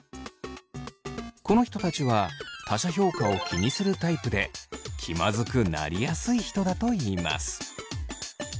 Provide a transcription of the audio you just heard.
この人たちは他者評価を気にするタイプで気まずくなりやすい人だといいます。